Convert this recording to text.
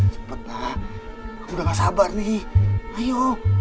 cepet lah aku udah nggak sabar nih ayo